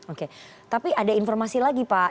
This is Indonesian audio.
oke tapi ada informasi lagi pak